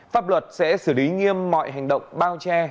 pháp luật sẽ xử lý nghiêm mọi hành động bao che